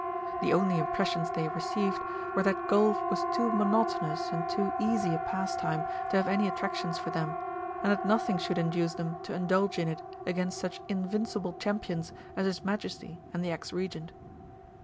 The only impressions they received were that Golf was too monotonous and too easy a pastime to have any attractions for them, and that nothing should induce them to indulge in it against such invincible champions as his Majesty and the Ex Regent.